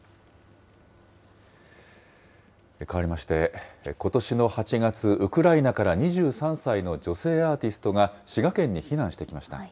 変わりまして、ことしの８月、ウクライナから２３歳の女性アーティストが、滋賀県に避難してきました。